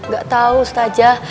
gak tau ustazah